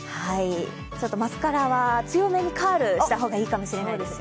マスカラは強めにカールした方がいいかもしれないですよ。